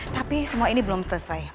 tapi semua ini belum selesai